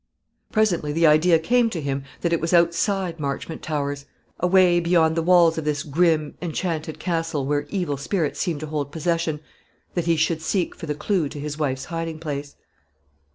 Presently the idea came to him that it was outside Marchmont Towers, away, beyond the walls of this grim, enchanted castle, where evil spirits seemed to hold possession, that he should seek for the clue to his wife's hiding place.